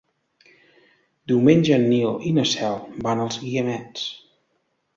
Diumenge en Nil i na Cel van als Guiamets.